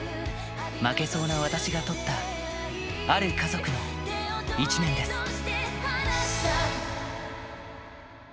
負けそうな私が撮った、ある家族の１年です。